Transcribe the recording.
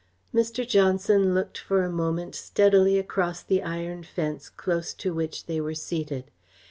Mr. Johnson looked for a moment steadily across the iron fence close to which they were seated.